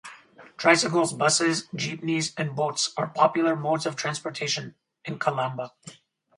Tricycles, buses, jeepneys, and boats are popular modes of transportation in Calamba.